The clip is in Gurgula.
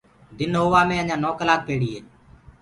دن هووآ مي اجآنٚ نو ڪلآڪ پيڙي هي